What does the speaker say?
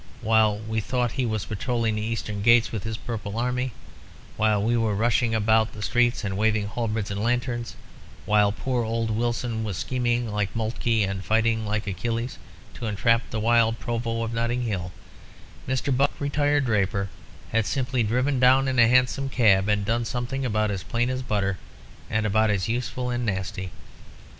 While we thought he was patrolling the eastern gates with his Purple army; while we were rushing about the streets and waving halberds and lanterns; while poor old Wilson was scheming like Moltke and fighting like Achilles to entrap the wild Provost of Notting Hill Mr. Buck, retired draper, has simply driven down in a hansom cab and done something about as plain as butter and about as useful and nasty.